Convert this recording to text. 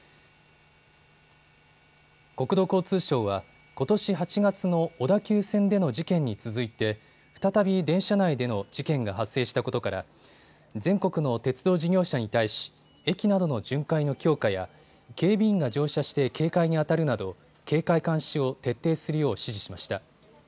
国土交通省はことし８月の小田急線での事件に続いて再び電車内での事件が発生したことから全国の鉄道事業者に対し駅などの巡回の強化や警備員が乗車して警戒にあたるなど警戒監視を徹底するよう指示しました。